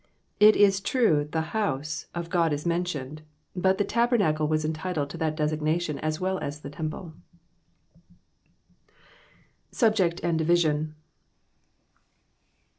It is true the •* house " of God is mentionedt but the tabernacle was en titled to that designation as well as the temple. Subject and Division.